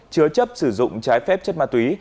chứa chấp sử dụng trái phép chất ma túy